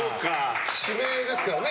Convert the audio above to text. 地名ですからね。